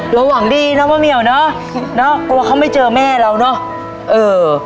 ระหว่างดีเนอะม้าเมียวเนอะเนอะกลัวเขาไม่เจอแม่เราเนอะเออ